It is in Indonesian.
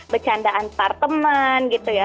bercanda antar teman gitu ya